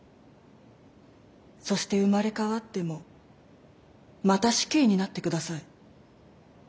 そして生まれ変わってもまた死刑になってください。